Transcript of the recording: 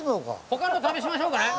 他の試しましょうかね。